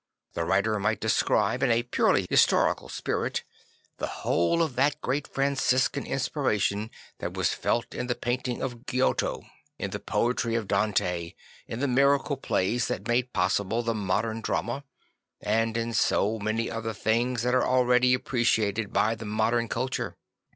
The writer might describe in a purely historical spirit the whole of that great Franciscan inspiration that was felt in the painting of Giotto, in the poetry of Dante, in the miracle plays that made possible the modem drama, and in so many other things that are already appreciated by the modern culture.